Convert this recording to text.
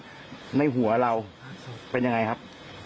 ทำให้เราอวกออกให้ได้นะครับ